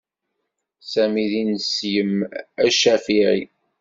Sami d ineslem acafiɛi.